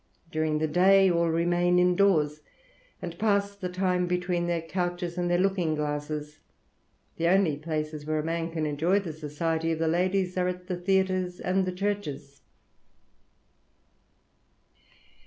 During the day all remain indoors, and pass the time between their couches and their looking glasses. The only places where a man can enjoy the society of the ladies are the theatres and the churches."